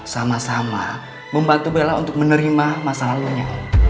sama sama membantu bella untuk menerima masa lalunya